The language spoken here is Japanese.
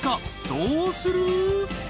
どうする？］